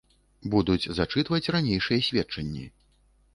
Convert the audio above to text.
Будуць зачытваць ранейшыя сведчанні.